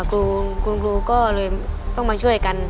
คุณครูก็เลยต้องมาช่วยกัน